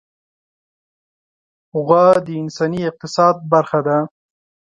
غوا د انساني اقتصاد برخه ده.